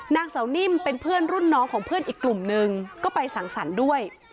นางสาวนิ่มเป็นเพื่อนรุ่นน้องของเพื่อนอีกกลุ่มนึงก็ไปสั่งสรรค์ด้วย